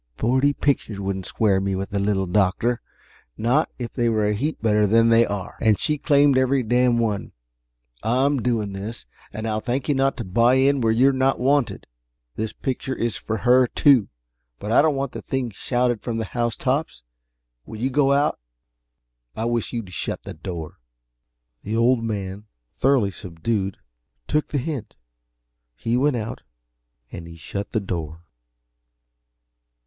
Forty pictures wouldn't square me with the Little Doctor not if they were a heap better than they are, and she claimed every darned one. I'm doing this, and I'll thank you not to buy in where you're not wanted. This picture is for her, too but I don't want the thing shouted from the housetops. When you go out, I wish you'd shut the door." The Old Man, thoroughly subdued, took the hint. He went out, and he shut the door.